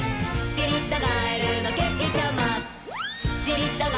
「しりたガエルのけけちゃま」